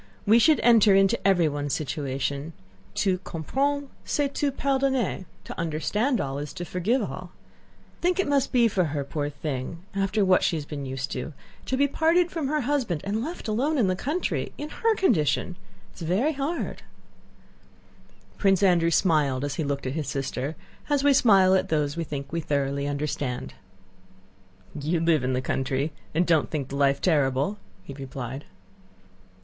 We should enter into everyone's situation. Tout comprendre, c'est tout pardonner. * Think what it must be for her, poor thing, after what she has been used to, to be parted from her husband and be left alone in the country, in her condition! It's very hard." * To understand all is to forgive all. Prince Andrew smiled as he looked at his sister, as we smile at those we think we thoroughly understand. "You live in the country and don't think the life terrible," he replied.